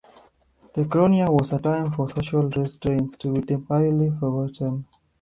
The Kronia was a time for social restraints to be temporarily forgotten.